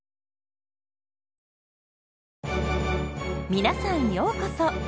皆さんようこそ！